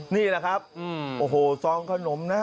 นี่แหละครับโอ้โหซองขนมนะ